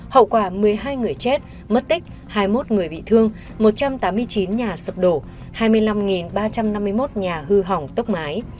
hậu quả một mươi hai người chết mất tích hai mươi một người bị thương một trăm tám mươi chín nhà sập đổ hai mươi năm ba trăm năm mươi một nhà hư hỏng tốc mái